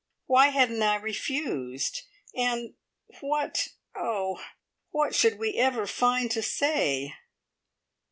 Why hadn't I refused, and what oh! what should we ever find to say?